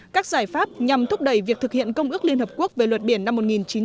các giải pháp nhằm thúc đẩy việc thực hiện công ước liên hợp quốc về luật biển năm một nghìn chín trăm tám mươi hai